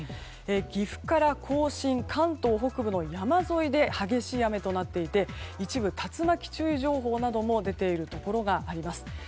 岐阜から甲信関東北部の山沿いで激しい雨となっていて一部、竜巻注意情報なども出ているところがあります。